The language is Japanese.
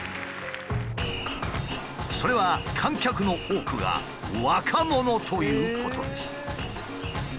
それは観客の多くが若者ということです。